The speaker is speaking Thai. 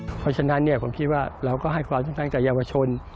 เพราะฉะนั้นผมคิดว่าเราก็ให้ความสำคัญกับเยาวชน